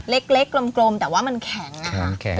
เล็กเล็กกลมกลมแต่ว่ามันแข็งอ่ะค่ะแข็งแข็ง